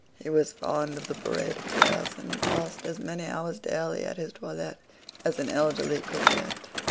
He was fond of the parade of dress, and passed as many hours daily at his toilette as an elderly coquette.